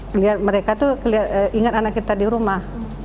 karena kita kan ingat anak kita di rumah